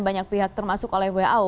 banyak pihak termasuk oleh who